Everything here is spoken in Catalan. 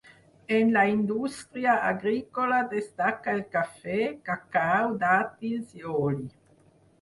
En la indústria agrícola destaca el cafè, cacau, dàtils i oli.